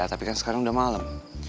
tapi kan sekarang udah malam